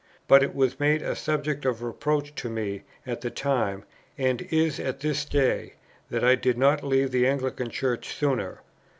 But it was made a subject of reproach to me at the time, and is at this day, that I did not leave the Anglican Church sooner.